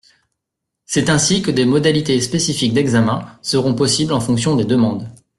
C’est ainsi que des modalités spécifiques d’examen seront possibles en fonction des demandes.